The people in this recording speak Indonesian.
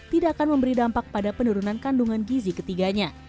tidak akan memberi dampak pada penurunan kandungan gizi ketiganya